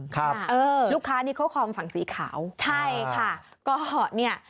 ครับเออลูกค้านี่เขาคอมฝั่งสีขาวใช่ค่ะ